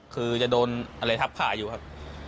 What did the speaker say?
คือจะโดนอะไรทับขาอยู่ครับ